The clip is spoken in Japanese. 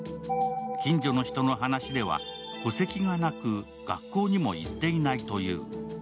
近所の人の話では、戸籍がなく学校にも行っていないという。